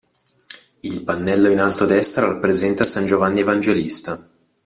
Il pannello in alto a destra rappresenta San Giovanni evangelista.